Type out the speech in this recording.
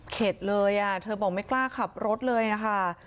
เลยเธอบอกไม่กล้าขับรถเลยนะคะ